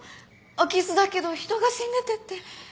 空き巣だけど人が死んでてって。